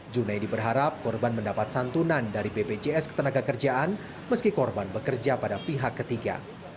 junaidi berharap korban mendapat santunan dari bpjs ketenaga kerjaan meski korban bekerja pada pihak ketiga